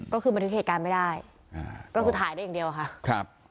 ก็คือบันทึกเหตุการณ์ไม่ได้อ่าก็คือถ่ายได้อย่างเดียวค่ะครับ